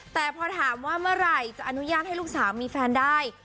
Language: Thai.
แต่พอถามว่าเมื่อไหร่จะอนุญาตให้ลูกสาวมีแฟนได้